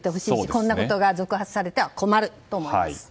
こんなことが続発されては困ると思います。